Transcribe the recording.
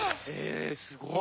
えすごい！